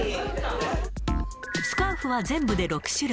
スカーフは全部で６種類。